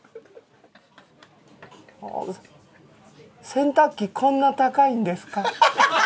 洗濯機こんな高いんですか？